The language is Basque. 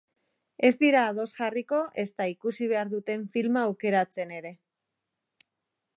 Ez dira ados jarriko ezta ikusi behar duten filma aukeratzen ere.